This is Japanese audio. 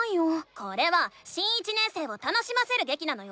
これは新１年生を楽しませるげきなのよ！